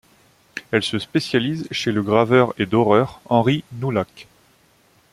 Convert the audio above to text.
Elle se spécialise chez le graveur et doreur Henri Noulhac.